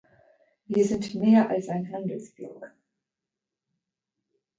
Wir sind mehr als ein Handelsblock.